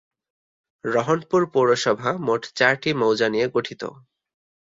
রহনপুর পৌরসভা মোট চারটি মৌজা নিয়ে গঠিত।